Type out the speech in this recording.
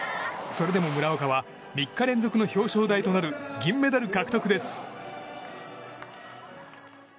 それでも村岡は３日連続の表彰台となる銀メダル獲得です。